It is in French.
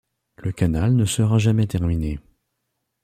Le canal ne sera jamais terminé.